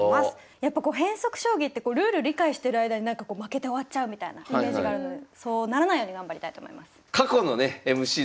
やっぱこう変則将棋ってルール理解してる間に負けて終わっちゃうみたいなイメージがあるのでそうならないように頑張りたいと思います。